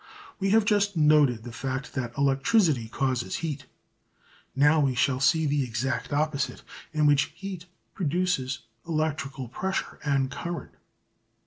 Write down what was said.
We have just noted the fact that electricity causes heat. Now we shall see the exact opposite, in which heat produces electrical pressure and current.